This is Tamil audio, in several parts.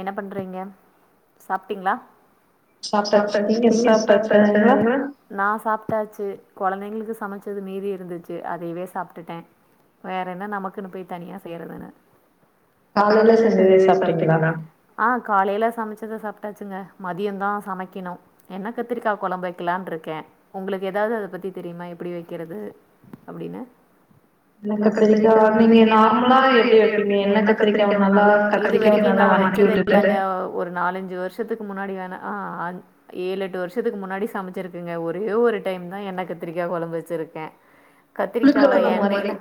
என்ன பண்றீங்க சாப்டீங்ளா சாப்டாச்சு நீங்க சாப்டாச்சா எல்லா நா சாப்பிட்டாச்சு கொழந்தைங்களுக்கு சமைச்சது மீதி இருந்துச்சு அதையவே சாப்பிட்டுட்டேன் வேற என்ன நமக்குன்னு போய் தனியா செய்யறதுன்னு காலைல சென் இது சாப்டீங்ளா ஆஹ காலைல சமச்சத சாப்பிட்டாச்சு ங்க மதியந்தான் சமைக்கணு என்ன கத்திரிக்கா குழம்பு வைக்கலான்று இருக்கேன் உங்களுக்கு எதாவது அத பத்தி தெரியுமா எப்படி வைக்கிறது அப்படின்னு என்ன கத்திரிக்கா நீங்க நார்மலா எப்படி வைப்பீங்க என்ன கத்திரிக்காவ நல்லா க [unintelligible] ஒரு நாலஞ்சு வருஷத்துக்கு முன்னாடி வேணா ஆஹ ஏழு எட்டு வருஷத்துக்கு முன்னாடி சமைச்சிருக்குங்க ஒரே ஒரு டைம்தா எண்ண கத்திரிக்கா கொழம்பு வச்சிருக்க கத்திரிக்காவ எண்ணெய்ல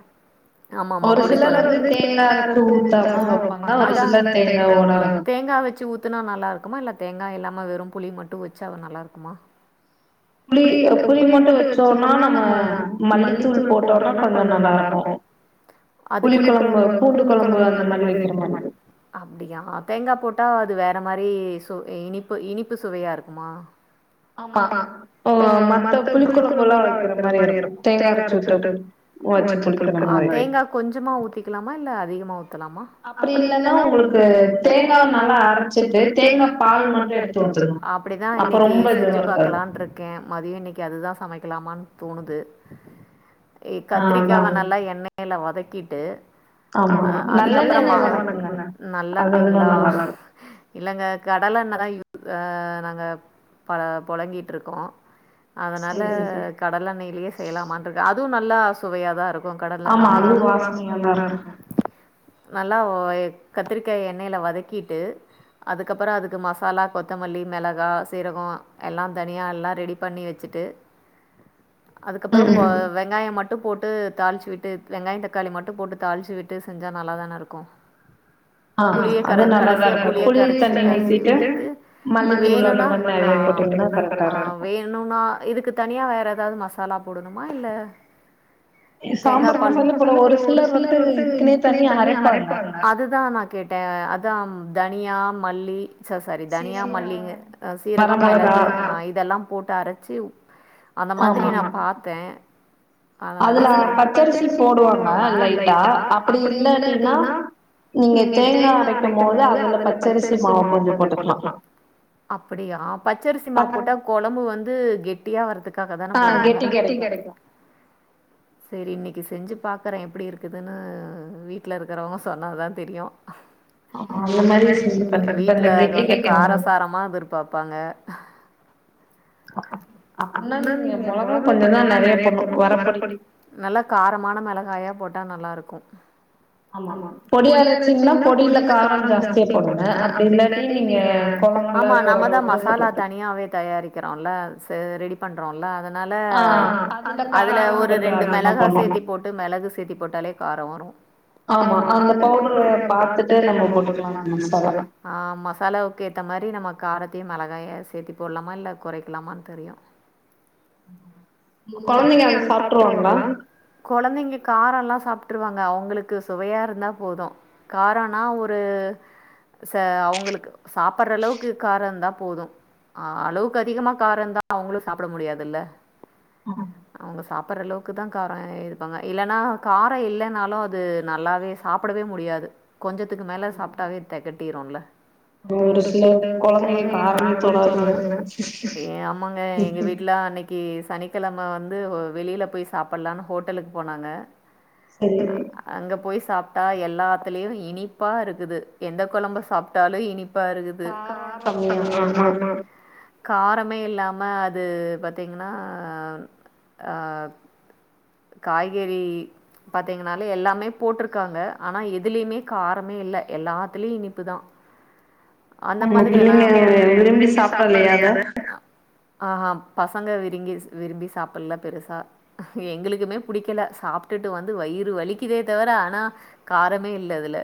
ஆமாமா மா ஒரு சிலர் வந்து தேங்கா அரச்சு ஊத்தாம வெப்பாங்க தேங்காய் வெச்சு ஊத்துனா நல்லா இருக்குமா இல்ல தேங்கா இல்லாம ம்மா வெறும் புளி மட்டும் வெச்சா அது நல்லா இருக்குமா புளி புளி மட்டு வெச்சோனா நம்ம மல்லித்தூள் போட்டோனா கொஞ்சோ நல்லா இருக்கு அது புளி குழம்பு பூண்டு குழம்பு அந்த மாரி வெக்கிற மாரி அப்படியா தேங்கா போட்டா அது வேற மா இந்த மாதிரி சு இனிப்பு இனிப்பு சுவையா இருக்குமா ஆமா மத்த புளிக்குழம்பு எல்லா வெக்கிற மாரி இருக்கு தேங்கா அரச்சுட்டு வெச்ச புளி குழம்பு மாரி தேங்கா கொஞ்சமா ஊத்திக்கலாமா இல்ல அதிகமாகு த்தலாமா அப்படி இல்ன்னா உங்களுக்கு தேங்கா நல்லா அரச்சிட்டு தேங்கா பால் மட்டு எடுத்து வெச்சிருங்க அப்படிதா இன்னிக்கு செஞ்சு பாக்கலான்று இருக் மதியொ இன்னைக்கு அதுதா சமைக்கலாமான்னு தோணுது கத்திரிக்காவ நல்லா எண்ணெய்ல வதக்கிட்டு நல்ல எண்ணெய்லயா இல்லைங்க கடல எண்ணெய்தா இருக் நாங்க புழங்கிட்டு்ருக்கோ அதனால கடல எண்ணெய்லயே செய்யலாமான்ட்டு இருக்க அ அதுவு நல்லா சுவையாதா இருக்கு ஆமா அதுவு வாசனையாதா இருக்கு நல்லா கத்திரிக்காய எண்ணெய்ல் வதக்கிட்டு அதுக்கப்புறோ அதுக்கு மசாலா கொத்தமல்லி மிளகாய் சீரகோ எல்லாந் தனியா எல்லா ரெடி பண்ணி வெச்சிட்டு அதுக்கப்புறம் வெ வெங்காயம் மட்டு போட்டு தாளிச்சு விட்டு வெங்காய தக்காளி மட்டு போட்டு தாளிச்சு விட்டு செஞ்சா நல்லா தானே இருக்கு ஆ அது நல்லாதா இருக்கும் புளி தண்ணி ஊத்திட்டு மல்லித்தூள் அந்த மாதிரி நிறைய போட்டீங்கன்னா கரெக்டா இருக்கும் ம்னா இதுக்கு தனியா வேற ஏதாவது மசாலா போடணுமா இல்ல [unintelligible] ஒரு சிலர் வந்து இதுக்கு நே தனியா அரைப்பாங்கள அதுதான் நான் கேட்டேன் ன் தனியா மல்லி ச சரி தனியா மல்லிங்க் சீரகம் மிளகுஹ் இதெல்லாம் போட்டு அரைச்சு அந்த மாதிரி நா பாத்தே அதனால அதுல பச்சரிசி போடுவாங்க லைட்டா அப்புடி இல்லாட்டீன்னா நீங்க தேங்கா அரைக்கம் போது அதுல பச்சரிசி மாவு கொஞ்ச போட்டுக்லா அப்புடியா பச்சரிசி மாவு போட்டா கொழம்பு வந்து கெட்டியா வர்துக் காக தானே [inaudible] கெட்டி கெடைக்கூ சேரி இன்னைக்கு செஞ்சு பாக்கறே எப்புடி இருக்குதுன்னு வீட்ல இருக்குறவங்க சொன்னாதா தெரியு ஆமா அந்த மாரி இப்ப வீட்ல வந்து காரசாரமா எதிர்பாப்பாங்க ஆனா நீங்க மொளகா [unintelligible] தா நெறைய போட்ணு மரப்பொடி நல்லா காரமான மெளகாயா போட் ட்டா நல்லாருக்கு ஆமா பொடியரச்சிங்னா பொடில காரொ ஜாஸ்தியா போடுங்க அப்டி இல்லாட்டி நீங்க கொழம்புல போடம் போது போட்டுக்லா கெறோல்ல செ ரெடி பண்றோல்ல அத னால ஆ அதுல ஒரு ரெண்டு மெளகா சேத்தி போட்டு மெளகு சேத்தி போட்டாலே காரொ வரு ஆமா அந்த பவுடரு பாத்துட்டு நம்ப போட்டுக்லா [unintelligible] ஆமா செலவுக்கேத்த மாரி நம்ம காரத்தையு மெளகாய சேத்தி போல்லாமா இல்ல கொறைக்லாமான் தெரியு கொழந்தைங்க சாப்ட்ருவாங்ளா கொழந்தைங்க காரொல்லா சாப் ட்ருவாங்க அவுங்களுக்கு சுவையாருந்தா போது காரன்னா ஒரு ச அவுங்களுக்கு சாப்பர்ற அளவுக்கு காரந்தா போது ஆ அளவுக்கு அதிகமா காரந்தா அவுங்ளு சாப்புட முடியாதுல்ல அவுங்க சாப்பறளவுக்கு தா காரொ இதுப்பாங்க இல்லன்னா காரொ இல்லென்னாலு அது நல்லாவே சாப்புடவே முடியாது கொஞ்ச துக்கு மேல சாப்ட்டாவே தெகட் ருன்ல ஒரு சில கொழந்தங்க காரமே தொடத் [unintelligible] எ அம்மாங்க எங்க வீட்ல அன்னை க்கி சனிக்கெழம வந்து ஹோ வெளில போய் சாப்பல்லான்னு ஹோட்டலுக்கு போனாங்க செரி அங்க போய் சாப்ட்டா எல்லாத்துலயு இனிப்பாருக்குது எந்த கொழம்ப சாப்ட்டாலு இனிப் பாருகுது‌ காரொ கம்மியா ஆம்மா காரமே இல்லாம அது பாத்தீங்கன்னா ஆ ஆ காய்கறி பாத்தீங்கனாலே எல்லாமே போட்ருக்காங்க ஆனா எதுலெய்மே காரமே இல்ல எல்லாத்துலயு இனிப்புதா உங்க பிள்ளைங்க விரும்பி சாப்பல்லையா அத ஆஹா பசங்க விருங்கிஸ் விரும்பி சாப்புல்ல பெருசா எங்குளுக்குமே புடிக்கல சாப்ட்டுட்டு வந்து வயிறு வலிக்குதே தவிர ஆனா காரமே இல்ல அதுல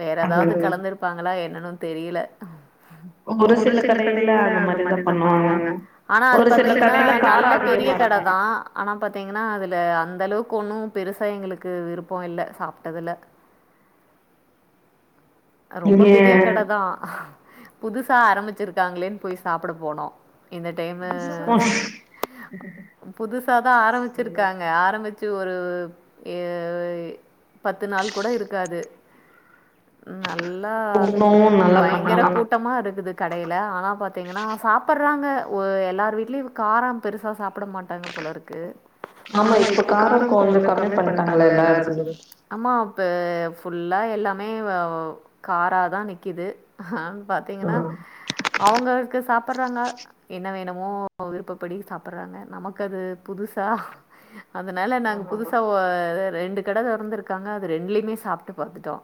வேற எதாவது கலந்துருப்பாங்களா என்னன்னு தெரில ஒரு சில கடையில்ல அந்த மாரிதா பண்ணாங் பண்ணுவாங்க ஒரு சில கடைல காரொ அதிகமா இருக் தளவுக்கு ஒன்னு பெருசா எங்களுக்கு விருப்பொ இல்ல சாப்ட்டதுல ரொம்ப பெரிய கட தா புதுசா ஆரம்பிச்சிருக்காங்களேன்போய் சாப்புட போனோ இந்த டைமு புதுசாதான் ஆரம்பிச்சிருக்காங்க ஆரம்பிச் வச்சு ஒரு ஏ ஐ பத்து நாள் கூட இருக்காது நல்லா பயங்கர கூட்டமா இருக்குது கடையில ஆனா பாத்தீங்கன்னா சாப்ட்றாங்க ஒ எல்லாரு வீட்லயும் காரம் பெருசா சாப்ட மாட்டாங்க போலருக்கு ஆமா இப்ப காரம் கோ கம்மி பண்ணிட்டாங்கள எல்லா இடத்துலயு இப்போ புல்லா எல்லாமே வ வ காரா தான் நிக்கிது ஹம் பாத்தீங்கன்னா அவங்களுக்கு சாப்பட்றாங்க என்ன வேணுமோ விருப்பப்படி சாப்பட்றாங்க நமக்கு அது புதுசா அதனால நாங்க புதுசா ஒ ர ரெண்டு கட தொறந்துருக்காங்க அது ரெண்டுலயுமே சாப்ட்டு பாத்துட்டோம்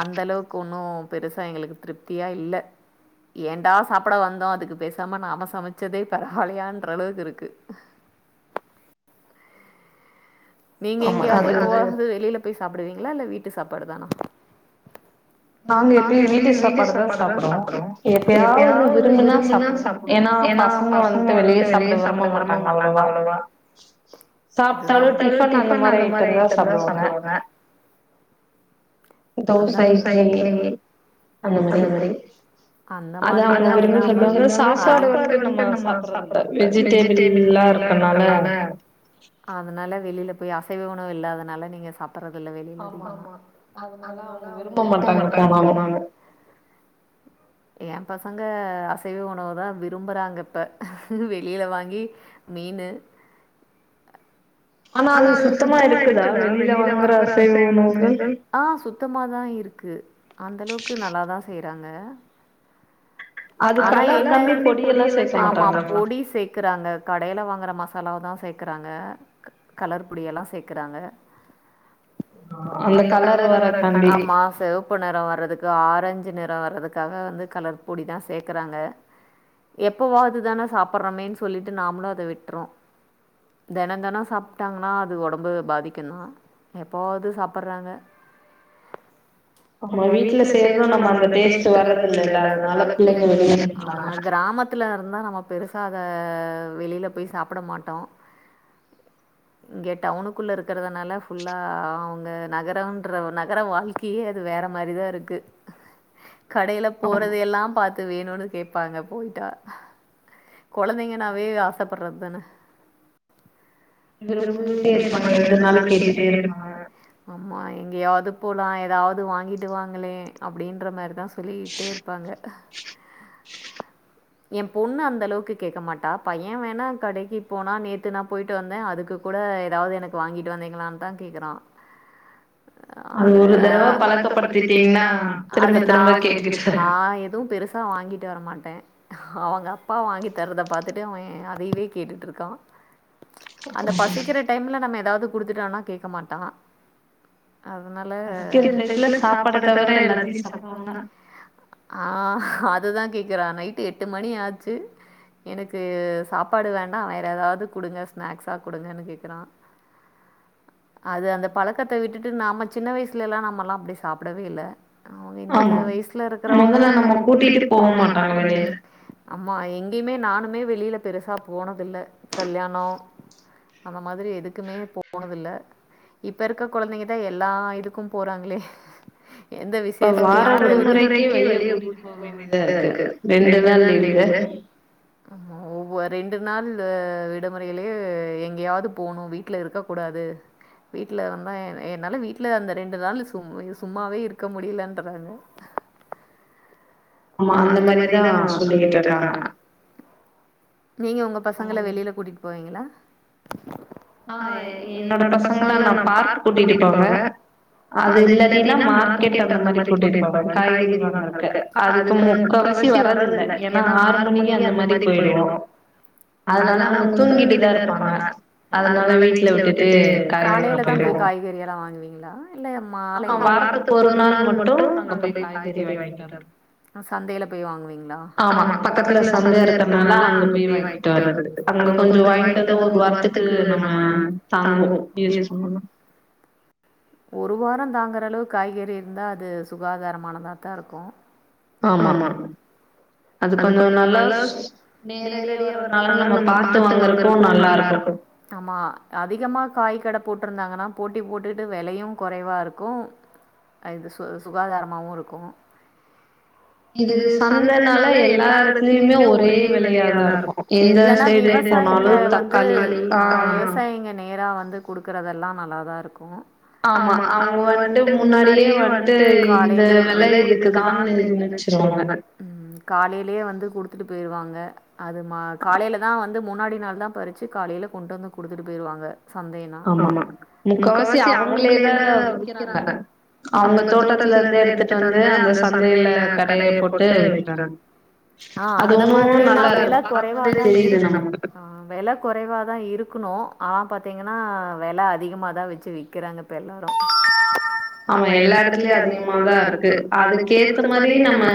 அந்த அளவுக்கு ஒன்னும் பெருசா எங்களுக்கு திருப்தியா இல்ல ஏன்டா சாப்பிட வந்தோம் அதுக்கு பேசாம நாம சமைச்சதே பரவலயான்ற அளவுக்கு இருக்கு நீங்க எங்கயாவது எப்பவாவது வெளில போய் சாப் சாப்டுவீங்களா இல்ல வீட்டு சாப்பாடு தானா நாங்க எப்பயும் வீட்டு சாப்பாடுதான் சாப்புடுவோம் எப்பயாவது விரும்புனா சாப்புடுவோம் ஏன்னா பசங்க வந்துட்டு வெளிய சாப்ட விரும்ப மாட்டாங்க அவ்ளவா சாப்ட்டாலும் டிஃப் டிஃபன் அந்த மாரி ஐட்டம் தான் சாப்டுவாங்க தோச, இட் [unintelligible] அந்த மாரியெல்லாம் [inaudible] அதுனால வெளில போய் அசைவ உணவு இல்லாதனால நீங்க சாப் பறது இல்ல வெளில அதிகமா என் பசங்க அசைவ உணவுதான் விரும்புறாங்க இப்ப வெளில வாங்கி மீனு ஆ சுத்த த்தமாதான் இருக்கு அந்த அளவுக்கு நல்லாதான் செய்றாங்க ஆனா என்ன ஆமா பொடி சேக்கறாங்க கடையில வாங்குற மசாலாவதான் சேக்கறாங்க கலர் பொடியெல்லாம் சேக்கறாங்க ஆமா செவப்பு நிறம் வர்ரதுக்கு ஆரஞ் ஆரஞ்சுநெறம் வர்றதுக்காக வந்து கலர் பொடி தான் சேக்கறாங்க எப்பவாவது தான சாப்பட்றோமேனு சொல்லிட்டு நாமளும் அத விட்றோம் தெனம் தெனம் சாப்ட்டாங்கன்னா அது உடம்பு பாதிக்குந்தான் எப்பவாவது சாப்பட்றாங்க ஆமா வீட்டுல சேரதும் நம்ம அந்த டேஸ்ட் வரதுல்லல்ல அதனால பிள்ளைங்க ஆ கிராமத்துல இருந்தா நம்ம பெருசா அத வெளில போய் சாப்பிடமாட்டோம். இங்க டவுனுக்குள்ள இருக்கிறதனால புல்லா அவங்க நகரம்ன்ற நகரவாழ்க்கையே அது வேற மாரிதா இருக்கு. கடையில போறதுயெல்லாம் பாத் இ து வேணும்னு கேட்பாங்க போயிட்டா குழந்தைங்கனாவே ஆசைப்படுறதுதானே விரும்பிட்டே இருப்பாங்க எதுனாலும் கேட்டுட்டே இருப்பாங்க ஆமா எங்கயாது போலா ஏதாவது வாங்கிட்டு வாங்களே அப்டின்ற மாரிதா சொல்லிட்டே இருப்பாங்க ஏம் பொண்ணு அந்த அளவுக்கு கேக்க மாட்டா பைய வேணா கடைக்கு போனா நேத்து நா போயிட்டு வந்தே அதுக்கு கூட ஏதாவது எனக்கு வாங்கிட்டு வந்தீங்களான்னு தா கேக்குறா அது ஒரு தடவ பழக்கப்படுத்திட்டீங்னா அது நா திரும்பத் திரும்ப கேட்டுக்கிட் நா எதுவும் பெரு ட்டு வர மாட்டே அவங்க அப்பா வாங்கி தறத பாத்துட்டு அவே அதையவே கேட்டுட்டு இருக்கா அந்த பசிக்கிற டைம்ல நம்ம எதாது குடுத்துட்டோனா கேட்க மாட்டா அதுனால பசிக்கிற டைத்துல சாப்பாட தவிர எல்லாத்தையு சாப்புடுவாங்க ஆ அது தா கேட்குறா நைட்டு எட்டு மணி ஆச்சு எனக்கு சாப்பாடு வேண்டா வேறு ஏதாவது கொடுங்க ஸ்நாக்ஸா கொடுங்கனு கேட்குறா அது அந்த பழக்கத்த விட்டுட்டு நாம சின்ன வயசுலலா நம்மலா அப்டி சாப்பிடவே இல்ல அவுங்க இந்த வயசுல இருக்கிறவங்க மொத்தல நம்ம கூட்டிட்டு போக மாட்டாங்க வெளில அம்மா எங்கேயுமே நானுமே வெளில பெருசா போனதில்ல கல்யாணோ அந்த மாதிரி எதுக்குமே போ போனதில்ல இப்ப இருக்க கொழந்தைங்கதா எல்லா இதுக்கும் போறாங்களே எந்த விசேஷம் வார விடுமுறைக்கே வெளியே கூடிட்டுப்போ போவேண்டிதா இருக்கு ரெண்டு நாள் லீவ்ல ஒ ஒவ் ரெண்டு நாள் லு விடுமுறையிலேயே எங்கையாவது போனு வீட்ல இருக்க கூடாது வீட்ல இருந்த எ என்னால வீட்ல அந்த ரெண்டு நாள் சும் சும்மாவே இருக்க முடிலன்றாங்க ஆமா அந்த மாரிதா சொல்லிக்கிட்டு இருக்காங்க நீங்க உங்க பசங்கள வெளில கூட் போவீங்களா ஆ எ என்னோட பசங்கள நா பார்க் கூட்டிட்டு போவே அது இல்லாட்தினா மார்க்கெட் அந்த மாரி கூட்டிட்டு போவே காய்கறி வாங்கற்க அ அதுக்கு முக்காவாசி வரத இல்ல ஏன்னா ஆறு மணிக்கே அந்த மாரி போயிடுவோ அதனால அவுங்க தூங்கிட்டுதா இருப்பாங்க அதனால வீட்ல விட்டுட்டு காலைல தா போயி காய்கறி எல்லா வாங்குவீங்களா இல்ல மாலைல ஆமா வாரத்துக் ஒரு நாள் மட்டோ நாங்க போய் காய்கறி வாங்கிட்டு வருவோ அ சந்தையில போய் வாங்குவீங்களா ஆமா பக்கத்துல சந்த இருக்கறனால அங்க போய் வாங்கிட்டு வரது அங்க கொஞ்சோ வாங்கிட்டு வந்தா ஒரு வார த்துக்கு நம்ம தங்கோ யூஸ் பண்ண ஒரு வாரோ தாங்குற அளவுக்கு காய்கறி இருந்தா அது சுகாதாரமானதா தா இருக்கோ ஆமா அது கொஞ்சோ நல்லா நேரடியா வரதனால நம்ம பாத்து வாங்கற்க்கும் நல்லா இருக்கோ ஆமா அதிகமா காய் கட போட்ருந்தாங்கன்னா போட்டி போட்டு டு வெலையு கொறைவா இருக்கூ அ இது சு சுகாதாரமாவோ இருக்கூ இது சந்தனால எல்லா எடத்துலயுமே ஒரே வெலையா தா இருக்கோ எல்லா சைடு போனாலு தக்காளி ஆ ஏன்னா வந்து குடுக்குறதெல்லா நல்லா தா இருக்கூ ஆமா அவங்க வந்ட்டு முன்னாடியே வந்ட்டு இந்த வெல இதுக்குதானு நிர்ணச்சிருவாங்க ட்டு போயிருவாங்க அது மா காலைல தா வந்து முன்னாடி நாள் தா பறிச்சு காலைல கொண்டு வந்து குடுத்துட்டு போயிருவாங்க சந்தைனா அவங்களே தா விக்றாங்க அவங்க தோட்டத்துலருந்து எடுத்து வந்து அந்த சந்தைல கடைய போட்டு விக்றாங்க அதெல்லா நல்லாருக்கு பாக்கவே தெரியுது நமக்கு இருக்கணு ஆனா பாத்தீங்கன்னா வெல அதிகமாக தா வெச்சி விக் கிறாங்க இப்ப எல்லாரு ஆமா எல்லா எடத்துலயு அதிகமாதா இருக்கு அதுக்கேத்த மாரி நம்ப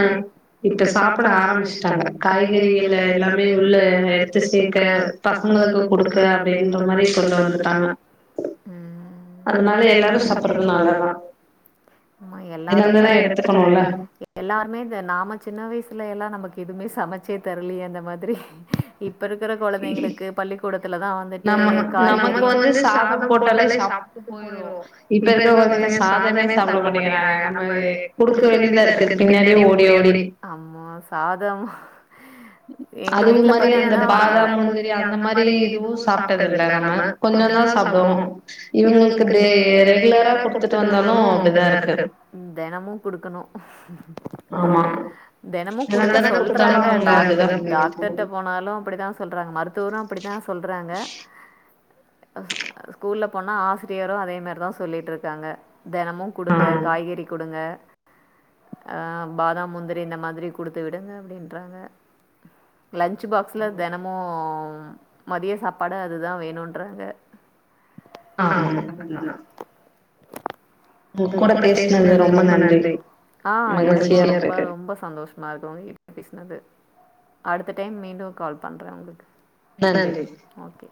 இப்ப சாப்ட ஆரம்பிச்சுட்டாங்க காய்கறிகள்ல எல்லாமே உள்ள எடுத்து சேக்க பசங்களுக்கு குடுக்க அப்டின்ற மாரி கொண்டு வந்துட்டாங்க அதனால எல்லாரு சாப்பறது நல்லதா ஆமா எல்லாரு எல்லாருமே இத நாம சின்ன வயசுல எல்லா நாம எதுவுமே சமச்சே தர்லையா அந்த மாதிரி இப் இப்பருக்கற கொழந்தைங்களுக்கு பள்ளிக்கூடத்துலதா வந் நம்ம நமக்கு வந்து சாதம் போட்டாலே சாப்ட்டு பொயிரு இப்ப இருக்க பசங்க சாதமே சாப்ட மாட்டேங்கிறாங்க நம்ப குடுக்க வேண்டியதா இருக்கு பின்னாடியே ஓடி ஓடி அதுவு மாரி அந்த பாதாம் முந்திரி அந்த மாதிரி இதுவு சாப்ட்டதில்ல நாங்க கொஞ்சோ தா சாப்டுவோ இவுங்ளுக்கு டே ரெகுலரா குடுத்துட்டு வந்தாலு அப்டிதாருக்கு ஆமா தெனமு குடுத்தாலு அவங்க அப்டி தா டாக்ட்டர்ட போனாலு அப்டிதா சொல்றாங்க மருத்துவரு அப்டிதா சொல்றாங்க ஸ்கூல்ல போனா ஆ ஆசிரியரு அதே மேரிதா சொல்லிட்ருக்காங்க தெனமு குடுங்க காய்கறி குடுங்க ஆ பாதாம் முந்திரி இந்த மாதிரி குடுத்து விடுங்க அப்டின்றாங்க லஞ்சு பாக்ஸ்ல தெனமு ஓம் மதிய சாப்பாடு அது தா வேணுன்றாங்க ஆமா கரெட்டு தா உங்க கூட பேசுனது ரொம்ப நன்றி மகிழ்ச்சியா இருக்கு மது இப்ப பேசுனது அடுத்த டைம் மீண்டு கால் பண்றே ஒங்ளுக்கு நன்றி